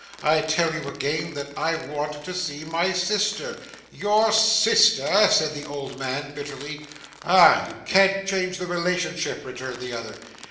I tell you again that I want to see my sister.' 'YOUR sister!' said the old man bitterly. 'Ah! You can't change the relationship,' returned the other.